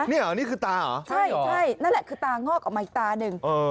นี่เหรอนี่คือตาเหรอใช่ใช่นั่นแหละคือตางอกออกมาอีกตาหนึ่ง